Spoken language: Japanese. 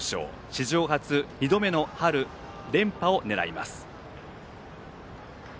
史上初２度目の春連覇を狙います。